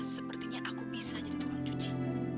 sepertinya aku bisa jadi tukang cuci